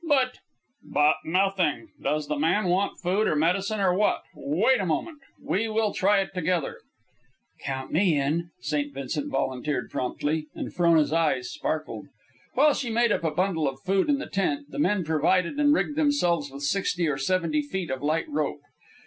"But " "But nothing. Does the man want food, or medicine, or what? Wait a moment. We will try it together." "Count me in," St. Vincent volunteered promptly, and Frona's eyes sparkled. While she made up a bundle of food in the tent, the men provided and rigged themselves with sixty or seventy feet of light rope.